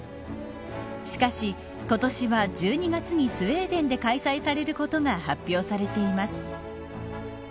しかし今年は１２月にスウェーデンで開催されることが発表されています。